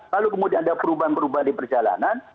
lalu kemudian ada perubahan perubahan di perjalanan